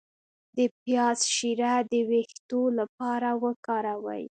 د پیاز شیره د ویښتو لپاره وکاروئ